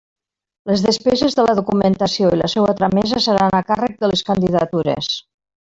Les despeses de la documentació i la seua tramesa seran a càrrec de les candidatures.